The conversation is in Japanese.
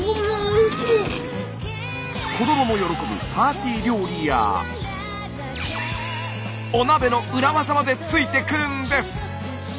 子どもも喜ぶパーティー料理やお鍋の裏ワザまでついてくるんです！